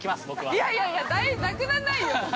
◆いやいやいや、なくなんないよ。